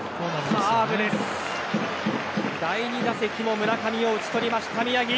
第２打席も村上を打ち取りました宮城。